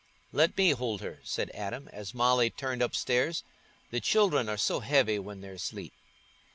"Let me hold her," said Adam, as Molly turned upstairs; "the children are so heavy when they're asleep."